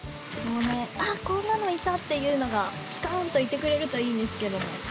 あっこんなのいたっていうのがピカンといてくれるといいんですけど。